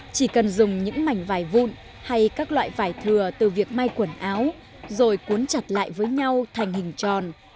chỉ cần dùng những mảnh vải vụn hay các loại vải thừa từ việc may quần áo rồi cuốn chặt lại với nhau thành hình tròn